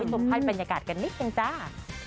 ผู้ชมให้เป็นยากาศกันนิดนึงจ้า